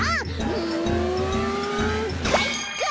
うんかいか！